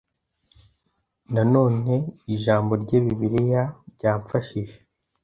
Nanone Ijambo rye Bibiliya ryamfashije